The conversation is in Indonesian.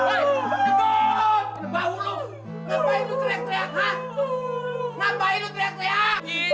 bahu lu kenapa lu teriak teriak